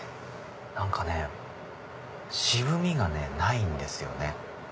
何かね渋味がないんですよね。